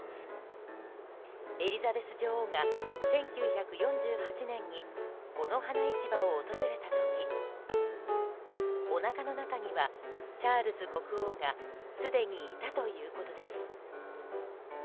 エリザベス女王が１９４８年にこの花市場を訪れた時おなかの中にはチャールズ国王がすでにいたということです。